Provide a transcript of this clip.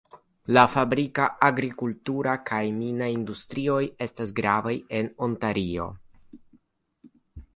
La fabrika, agrikultura kaj mina industrioj estas gravaj en Ontario.